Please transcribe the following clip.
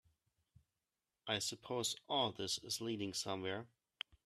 I suppose all this is leading somewhere?